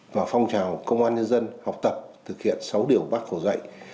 và phong trào công an nhân dân học tập thực hiện sáu điều bác hồ dạy